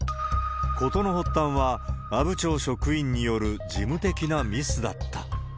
事の発端は、阿武町職員による事務的なミスだった。